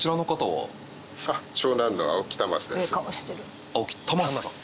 はい。